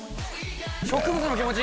植物の気持ち。